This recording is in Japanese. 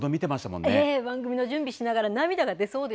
番組の準備しながら涙が出そ